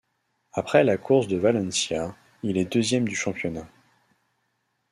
Après la course de Valencia, il est deuxième du championnat.